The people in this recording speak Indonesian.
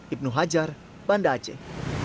ibnu hajar banda aceh